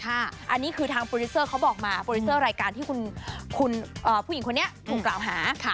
อันนี้คือทางโปรดิวเซอร์เขาบอกมาโปรดิเซอร์รายการที่คุณผู้หญิงคนนี้ถูกกล่าวหา